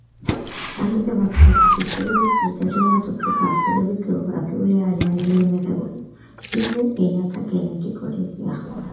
ამიტომაც კლასიფიცირების კრიტერიუმად უფრო გავრცელების გეოგრაფიული არეალია მიღებული, ვიდრე ენათა გენეტიკური სიახლოვე.